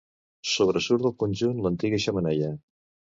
Sobresurt del conjunt l'antiga xemeneia.